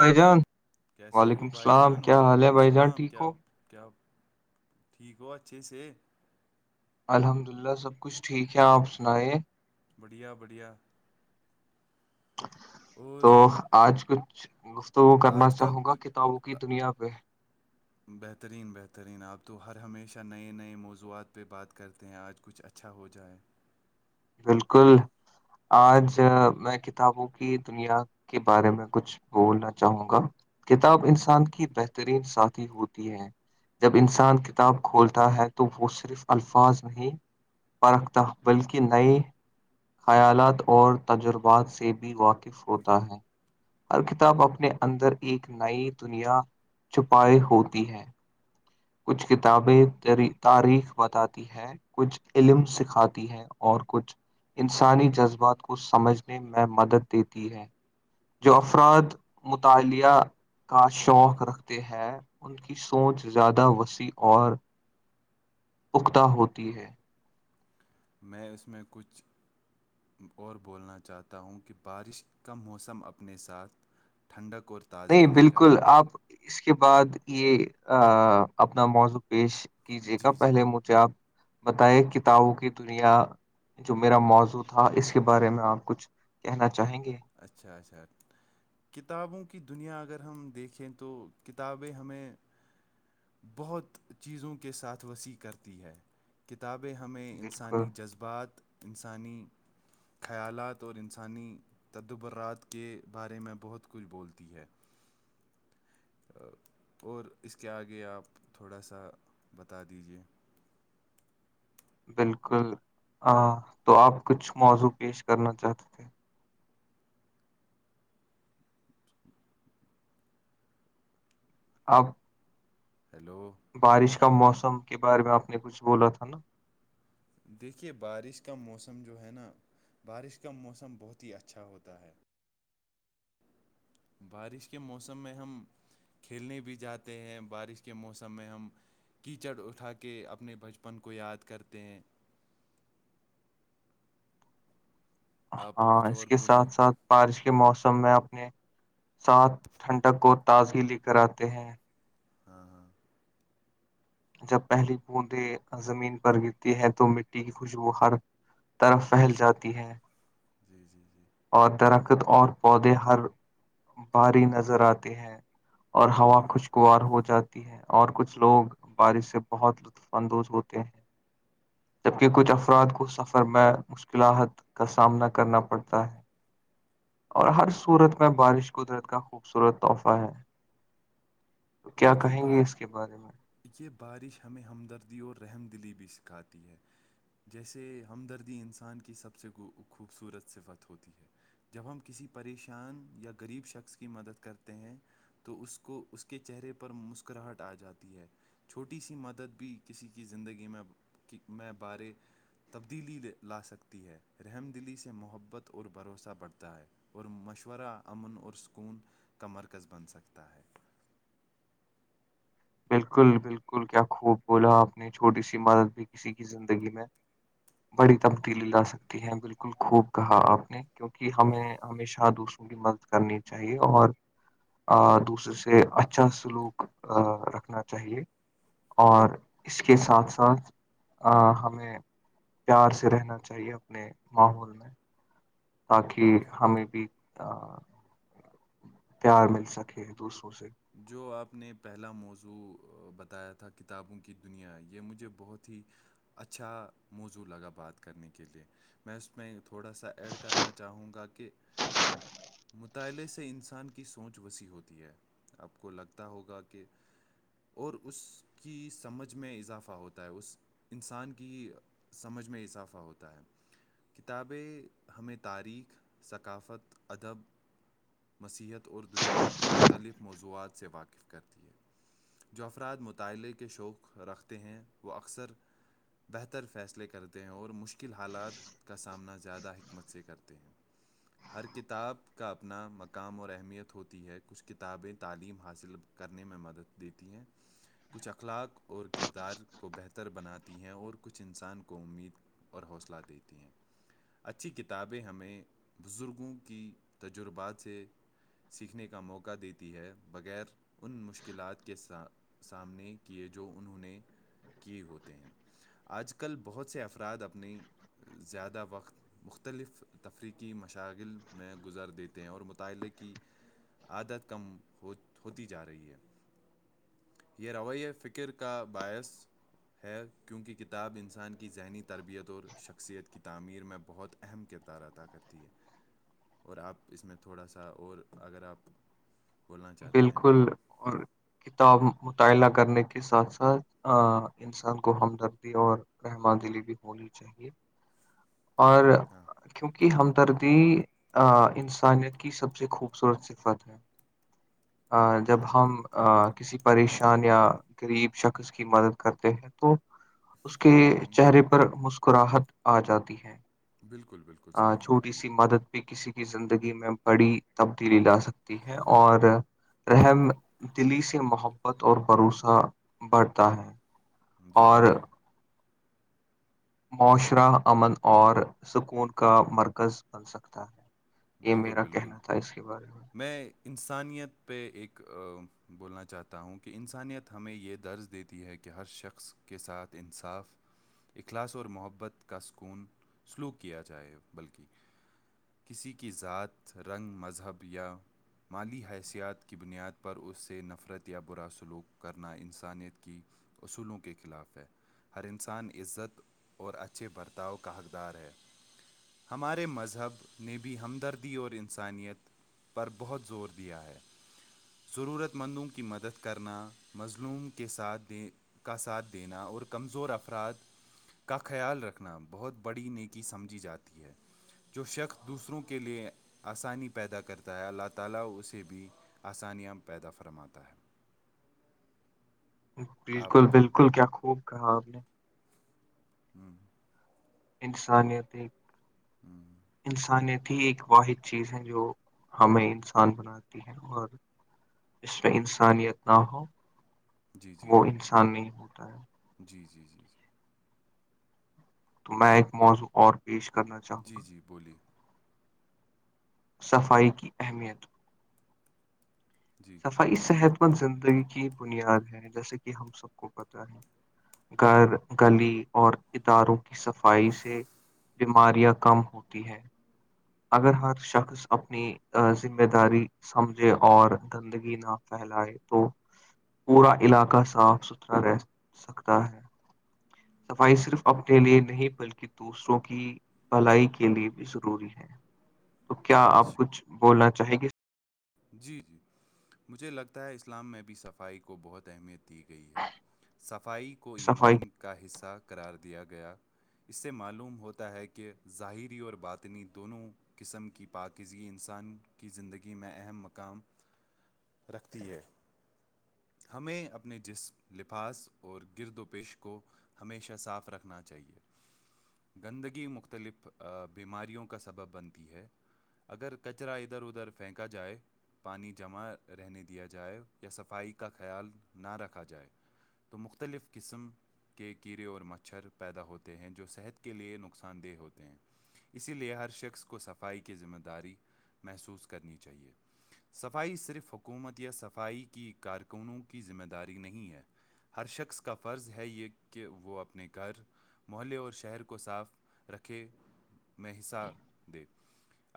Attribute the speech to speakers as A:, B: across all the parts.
A: بھائی جان
B: کیسے
A: وعلیکم
B: ہو بھائی
A: السلام
B: جان و
A: کیا حال
B: علیکم
A: ہے بھائی جان
B: السلام
A: ٹھیک
B: کیا
A: ہو
B: ٹھیک ہو اچھے سے
A: الحمد للہ سب کچھ ٹھیک ہے آپ سنے
B: بڑھیا بڑھیا
A: تو
B: اور
A: آج کچھ گفتگو کرنا
B: آج کا
A: چاہوں گا
B: کچھ-
A: کتابوں کی دنیا پہ
B: بہترین بہترین آپ تو ہر ہمیشہ نئے نئے موضوعات پہ بات کرتے ہیں آج کچھ اچھا اچھا ہو جائے
A: بالکل
B: ہوں،
A: آج میں کتابوں کی دنیا کے بارے میں کچھ بولنا چاہوں گا کتاب انسان کی بہترین ساتھی ہوتی ہے جب انسان کتاب کھولتا ہے تو وہ صرف الفاظ نہیں فرخ تھا بلکہ نئے خیالات اور تجربات سے بھی واقف ہوتا ہے ہر کتاب اپنے اندر ایک نئی دنیا چھپائے ہوتی ہے کچھ کتابیں تاریخ بتاتی ہے کچھ علم سکھاتی ہے اور کچھ انسانی جذبات کو سمجھنے میں مدد دیتی ہے جو افراد مطالعہ کا شوق رکھتے ہیں ان کی سوچ زیادہ وسیع اور اکتا ہوتی ہے
B: میں اس میں کچھ اور بولنا چاہتا ہوں کہ بارش کا موسم اپنے ساتھ ٹھڈ کرورتے
A: نہیں بالکل آپ اس کے بعد یہ اپنا موضوع پیش کیجے گا
B: جی جی
A: پہلے مجھے آپ بتائے کتابوں کی دنیا جو میرا موضوع تھا اس کے بارے میں آپ کچھ کہنا چاہیں گے
B: اچھا اچھا کتابوں کی دنیا اگر ہم دیکھیں تو کتابیں ہمیں بہت چیزوں کے ساتھ وسیع کرتی ہے کتابیں ہمیں
A: بالکل
B: انسانی جذبہ بات انسانی خیالات اور انسانی تدبر رات کے بارے میں بہت کچھ بولتی ہے اور اس کے آگے آپ تھوڑا سا بتا دیجیے
A: بالکل تو آپ کچھ موضوع پیش کرنا چاہتے تھے
B: [inaudible]
A: آپ
B: ہیلو
A: بارش کا موسم کے بارے میں آپ نے کچھ بولا تھا نا
B: دیکھیے بارش کا موسم جو ہے نا بارش کا موسم بہت ہی اچھا ہوتا ہے بارش کے موسم میں ہم کھیلنے بھی جاتے ہیں بارش کے موسم میں ہم کیچڑ اٹھا کے اپنے بچپن کو یاد کرتے ہیں آپ
A: ہاں
B: کچھ
A: اس
B: اور
A: کے
B: بولیے
A: ساتھ ساتھ بارش کے موسم میں اپنے ساتھ ٹھنڈک کو تازگی لے کر آتے ہیں
B: ہاں ہاں
A: جب پہلی بوندیں زمین پر گرتی ہے تو مٹی کی خوشبو ہر طرف
B: جی
A: پھیل
B: جی
A: جاتی ہے
B: جی جی جی
A: اور درخت اور پودے ہر بھاری نظر آتے ہیں اور ہوا
B: جی
A: خوشگوار ہو جاتی ہے اور کچھ لوگ بارش سے بہت لطف اندوز ہوتے ہیں جبکہ کچھ افراد کو سفر میں مشکلات کا سامنا کرنا پڑتا اور ہر سورت میں بارش قدرت کا خوبصورت تحفہ ہے [inaudible]
B: اور کے
A: کہیں
B: با
A: گے اس کے بارے میں
B: یہ بارش ہمیں ہمدردی اور رحم دلی بھی سکھاتی ہے جیسے ہمدردی انسان کی سب سے خوبصورت صفت ہوتی ہے جب ہم کسی پریشان یا غریب شخص کی مدد کرتے ہیں تو اس کو اس کے چہرے پر مسکراہٹ آ جاتی ہے چھوٹی سی مدد بھی کسی کی زندگی میں کی میں بارے تبدیلی لے لا سکتی ہے رحم دلی سے محبت اور بھروسہ بڑھتا ہے اور مشورہ امن اور سکون کا مرکز بن سکتا ہے
A: بالکل بالکل کیا خوب بولاپ نے چھوٹی سی عمادت بھی کسی کی زندگی میں بڑی تبدیلی لا سکتی ہیں بالکل خوب کہا آپ نے کیونکہ ہمیں ہمیشہ دوسروں کی مدد کرنی چاہیے اور دوسرے سے اچھا سلوک رکھنا چاہیے اور اس کے ساتھ ساتھ ہمیں پیار سے رہنا چاہیے اپنے ماحول میں تاکہ ہمیں بھی پیار مل سکے دوسروں سے
B: جو آپ نے پہلا موضوع بتایا تھا کتابوں کی دنیا یہ مجھے بہت ہی اچھا موضوع لگا بات کرنے کے لیے میں اس میں تھوڑا سا ایڈ کرنا چاہوں گا کہ مطالعے سے انسان کے سوچ وسی ہوتی ہے آپ کو لگتا ہوگا کہ اور اس کی سمجھ میں اضافہ ہوتا ہے اس انسان کی سمجھ میں اضافہ ہوتا ہے کتابیں ہمیں تاریخ ثقافت ادب مسیحت اور دنیا کے مختلف موضوعات سے واقف کرتی ہے جو افراد مطالعے کے شوق رکھتے ہیں وہ اکثر بہتر فیصلے کرتے ہیں اور مشکل حالات کا سامنا زیادہ حکمت سے کرتے ہیں ہر کتاب کا اپنا مقام اور اہمیت ہوتی ہے کچھ کتا کتابیں تعلیم حاصل کرنے میں مدد دیتی ہیں کچھ اخلاق اور کردار کو بہتر بناتی ہیں اور کچھ انسان کو امید اور حوصلہ دیتی ہیں اچھی کتابیں ہمیں بزرگوں کی تجربات سے سیکھنے کا موقع دتا ہے بغیر ان مشکلات کے سامنے کیے جو انہوں نے کیے ہوتے ہیں آج کل بہت سے افراد اپنی زیادہ وقت مختلف تفریحی مشاغل میں گزر دیتے ہیں اور مطالعے کی عادت کم ہو ہوتی جا رہی ہے یہ رو فکر کا باعث ہے کیونکہ کتاب انسان کی ذہنی تربیت اور شخصیت کی تعمیر میں بہت اہم کردار ادا کرتی ہے اور آپ اس میں تھوڑا سا اور اگر آپ بولنا چاہتے ہیں
A: بالکل
B: تو
A: اور کتاب مطالعہ کرنے کے ساتھ ساتھ انسان کو ہمدردی اور رحمان دلی بھی ہونی چاہیے اور
B: ہاں
A: کیونکہ ہمدردی انسانیت کی سب سے خوبصورت صفت ہے جب
B: ہاں
A: ہم کسی پریشان یا غریب شخص کی مدد کرتے ہیں تو اس کے چہرے پر مسکراہٹ آ جاتی ہے
B: بالکل بالکل صحیح کہا
A: چھوٹی
B: آپ
A: سی مدد کسی کی زندگی میں بڑی تبدیلی لا سکتی ہے اور رحم دلی سے محبت اور بھروسہ بڑھتا ہے
B: جی
A: اور
B: جی جی
A: معاشرہ امن اور سکون کا مرکز بن سکتا ہے یہ
B: بالکل
A: میرا
B: بالکل
A: کہنا تھا اس کے بارے میں
B: انسانیت پہ ایک بولنا چاہتا ہوں کہ انسانیت ہمیں یہ درج دیتی ہے کہ کہ ہر شخص کے ساتھ انصاف اخلاص اور محبت کا سکون سلوک کیا جائے بلکہ کسی کی ذات رنگ مذہب یا مالی حیثیت کی بنیاد پر اس سے نفرت یا برا سلوک کرنا انسانیت کی اصولوں کے خلاف ہے ہر انسان عزت اور اچھے برتاؤ کا حقدار ہے ہمارے مذہب نے بھی ہمدردی اور انسانیت پر بہت زور دیا ہے ضرورت مندوں کی مدد کرنا مظلوم کے ساتھ دے کا ساتھ دینا اور کمزور افراد کا خیال رکھنا بہت بڑی نیکی سمجھی جاتی ہے جو شخص دوسروں کے لیے آسانی پیدا کرتا ہے اللہ تعی اسے بھی آسانیاں پیدا فرماتا ہے
A: بالکل
B: آپ
A: بالکل کیا خوب کہا آپ نے
B: ہوں
A: انسانیت ایک انسانیت ہی ایک واحد چیز ہے جو ہمیں انسان بناتی ہے اور اس میں انسانیت نہ ہو
B: جی جی
A: وہ
B: جی
A: انسان نہیں ہوتا ہے
B: جی جی جی جی
A: تو میں ایک موضوع اور پیش کرنا چاہوں گا
B: بولی
A: صفائی کی اہمیت
B: جی
A: صفائی صحت مند زندگی کی بنیاد ہے جیسے کہ ہم سب کو پتا گھر گلی اور اداروں کی صفائی سے بیماریاں کم ہوتی ہے اگر ہر شخص اپنی ذمہ داری سمجھے اور گندگی نہ پلائے تو پورا علاقہ صاف ستھرا رہ سکتا ہے صفائی صرف اپنے لیے نہیں بلکہ دوسروں کی بھلائی کے لیے بھی ضروری ہے تو کیا آپ
B: جی
A: کچھ بولنا چاہیں گے
B: جی جی مجھے لگتا ہے اسلام میں بھی صفائی کو بہت اہمیت دی گئی ہے صفائی کو
A: صفائی
B: ایمان کا حصہ قار دیا گیا اس سے معلوم ہوتا ہے کہ ظاہری اور باطنی دونوں قسم کی پاکیزگی انسان کی زندگی میں اہم کام رکھتی ہے ہمیں اپنے جسم لفاظ اور گرد و پیش کو ہمیشہ صاف رکھنا چاہیے گندگی مختلف بیماریوں کا سبب بنتی ہے اگر کچرا ادھر ادھر پھینکا جائے پانی جمع رہنے دیا جائے یا صفائی کا خیال نہ رکھا جائے تو مختلف قسم کے کیڑے اور مچھر پیدا ہوتے ہیں جو صحت کے لیے نقصان دہ ہوتے ہیں اسی لیے ہر شخص کو صفائی کی ذمہ داری محسوس کرنی چاہیے صفائی صرف حکومت یا صفائی کی کارکنوں کی ذمہ داری نہیں ہے ہر شخص کا فرض ہے یہ کہ وہ اپنے گھر محلے اور شہر کو صاف رکھے میں حصہ دے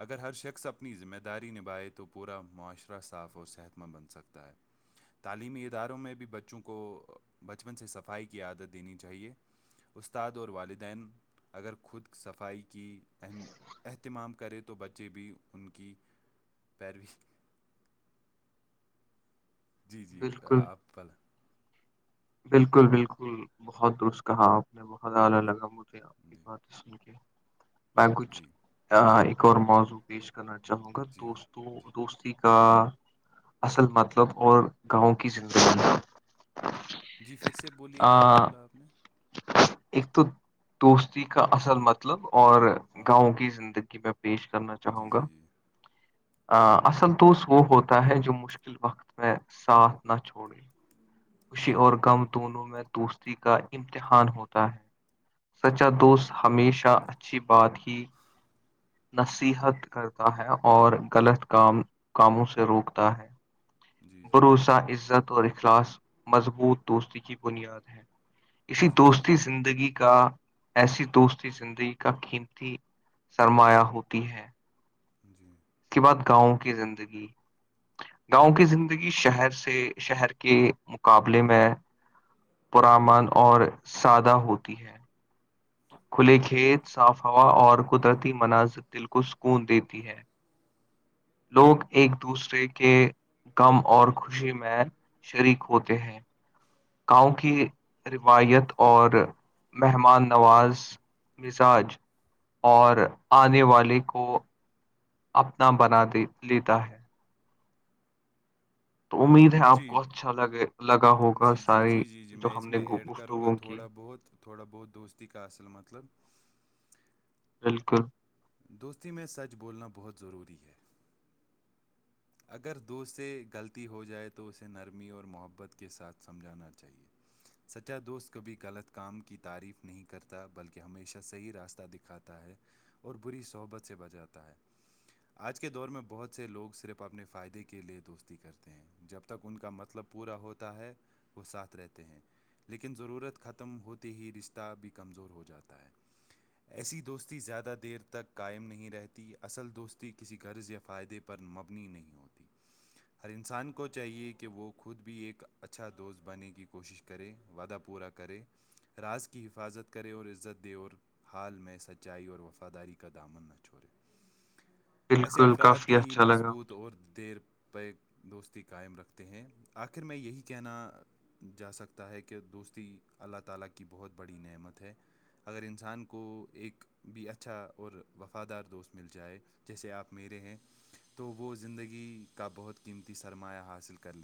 B: اگر ہر شخص اپنی ذمہ داری نبھائے تو پورا معاشرہ صاف اور صحت مند بن سکتا ہے تعلیمی اداروں میں بھی بچوں کو بچپن سے صفائی کی عادت دینی چاہیے استاد اور والدین اگر خود صفائی کی اہم اہتمام کرے تو بچے بھی ان کی پیروی جی جی
A: بالکل
B: آپ پل
A: بالکل بالکل بہت درست کہا آپ نے بہت اعال لگا مجھے آپ کی
B: جی
A: بات ب گچھ
B: جی
A: ا ق موزوع پیش کرنا چاہوں گا
B: جی
A: دوستوں
B: جی
A: دوستی کا اصل مطلب اور گاؤں کی زندگی
B: جی پھر سے بولیے کیا
A: آ،
B: بولا آپ نے
A: ایک تو دوستی کا اصل مطلب اور
B: ہاں
A: گاؤں کی زندگی میں پیش کرنا چاہوں
B: جی جی
A: گا اصل توست وہ ہوتا ہے جو مشکل ل وقت میں ساتھ نہ چھوڑی خوشی
B: جی
A: اور غم دونوں میں دوستی کا امتحان ہوتا ہے
B: جی
A: سچا
B: جی
A: دوست ہمیشہ اچھی بات ہی نصیحت کرتا ہے اور غلط کام کاموں سے روکتا ہے
B: جی
A: بھروسہ عزت اور اخلاص مضبوط دوستی کی بنیاد ہے اسی
B: جی جی جی جی
A: دوستی زندگی کا ایسی دوستی زندگی کا قیمتی سرمایہ ہوتی ہے
B: جی [unintelligible]
A: اس کے بعد گاؤں کی زندگی گاؤں کی زندگی شہر سے شہر کے مقابلے میں پرامن اور سادہ ہوتی ہے کھلے کھیت صاف ہوا اور قدرتی مناظر دل کو سکون دیتی ہے لوگ ایک دوسرے کے غم اور خوشی میں شریک ہوتے ہیں گاؤں کی روایت اور مہمان نواز مزاج اور آنے والے کو اپنا بنا د لیتا ہے تو امید ہے آپ کو اچھا لگے لگا ہوگا
B: جی
A: ساری
B: جی جی جی
A: جو
B: میں
A: ہم
B: اس
A: نے
B: میں ایڈ کروں گا
A: گفتگو کی
B: تھوڑا بہت تھوڑا بہت دوستی کا اصل مطلب
A: بالکل
B: دوستی میں سچ بولنا بہت ضروری ہے اگر دو سے غلطی ہو جائے تو اسے نرمی اور محبت کے ساتھ سمجھانا چاہیے سچا دوست کبھی غلط کام کی تعریف نہیں کرتا بلکہ ہمیشہ صحیح راستہ دکھاتا ہے اور بری صحبت سے بچاتا ہے آج کے دور میں بہت سے لوگ صرف اپنے فائدے کے لیئے دوستی کرتے ہیں جب تک ان کا مطلب پورا ہوتا ہے وہ ساتھ رہتے ہیں لیکن ضرورت ختم ہوتے ہی رشتہ بھی کمزور ہو جاتا ہے ایسی دوستی زیادہ دیر تک قائم نہیں رہتی اصل دوستی کسی غرض یا فائدے پر مب تکنی نہیں ہوتی
A: [inaudible]
B: ہر انسان کو چاہیے کہ وہ خود بھی ایک اچھا دوست بننے کی کوشش کرے وعدہ پورا کرے راز کی حفاظت کرے اور عزت دے اور حال میں سچائی اور وفاداری کا دامن نہ چھڑے
A: [inaudible]
B: ایسے افراد
A: کافی
B: بھی
A: اچھا
B: مضبوط
A: لگا
B: اور دیر پ دوستی قائم رکھتے ہیں آخر میں یہی کہنا جا سکتا ہے کہ دوستی اللہ تعالی کی بہت بڑی نعمت ہے اگر انسان کو ایک بھی اچھا اور وفادار دوست مل جائے جیسے آپ میرے ہیں تو وہ زندگی کا بہت قیمتی سرمایہ حاصل کر لے